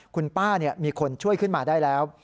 คุณป้ามีคนช่วยขึ้นมาได้แล้ว